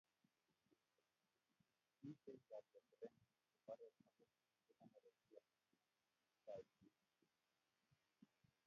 Mitei kalyet reng oret amu kikende kameraishek and taishek